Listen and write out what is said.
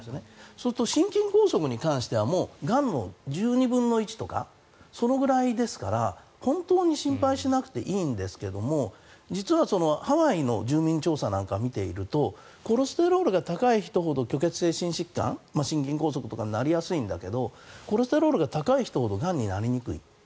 そうすると、心筋梗塞に関してはがんの１２分の１とかそのぐらいですから、本当に心配しなくていいんですけども実はハワイの住民調査なんかを見ているとコレステロールが高い人ほど虚血性心疾患になりやすいんだけどコレステロールが高い人ほどがんになりやすい。